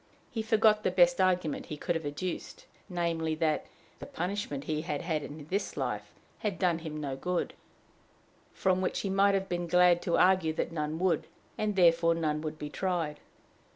He forgot the best argument he could have adduced namely, that the punishment he had had in this life had done him no good; from which he might have been glad to argue that none would, and therefore none would be tried.